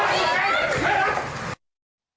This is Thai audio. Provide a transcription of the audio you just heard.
นี่นี่นี่นี่นี่